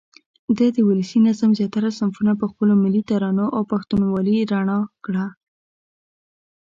ده د ولسي نظم زیاتره صنفونه په خپلو ملي ترانو او پښتونوالې راڼه کړه.